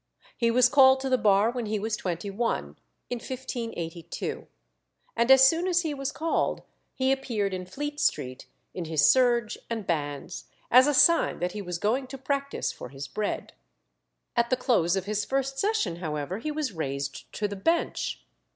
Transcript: He was called to the bar when he was twenty one, in 1582; and as soon as he was called he appeared in Fleet Street in his serge and bands, as a sign that he was going to practise for his bread. At the close of his first session, however, he was raised to the bench.